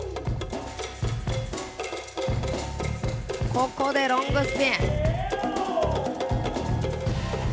ここでロングスピン。